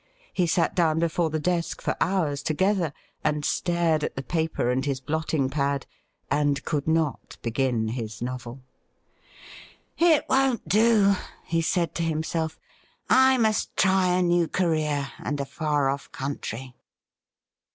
He sat down before the desk for hours together, and stared at the paper and his blotting pad, and could not begin his novel. ' It won't do,' he said to himself. ' I must try a new career and a far off' country.'